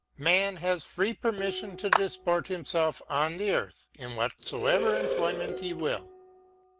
Man has free permission to disport himself, on the earth, in whatsoever employment he will.